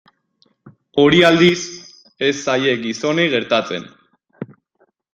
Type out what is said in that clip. Hori, aldiz, ez zaie gizonei gertatzen.